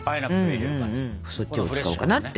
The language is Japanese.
そっちを使おうかなって。